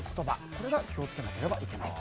これが気を付けなければいけないと。